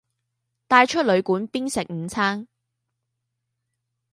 带出旅馆边吃午餐